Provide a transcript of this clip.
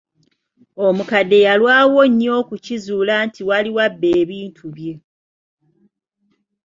Omukadde yalwawo nnyo okukizuula nti waliwo abba ebintu bye.